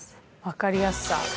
「わかりやすさ」